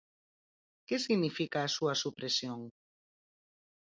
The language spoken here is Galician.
Que significa a súa supresión?